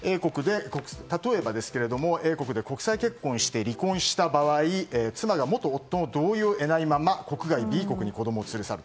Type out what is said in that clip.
例えば、Ａ国で国際結婚をして離婚した場合妻が元夫の同意を得ないまま国外、Ｂ国に連れ去る。